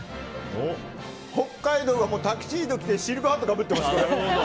北海道がタキシード着てシルクハットかぶってます。